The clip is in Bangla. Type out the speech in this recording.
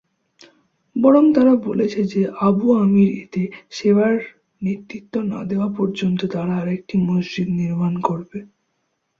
বরং তারা বলেছে যে আবু আমির এতে সেবার নেতৃত্ব না দেওয়া পর্যন্ত তারা আরেকটি মসজিদ নির্মাণ করবে।